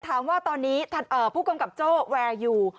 ถามว่าตอนนี้ผู้กำกับโจ้แวร์อยู่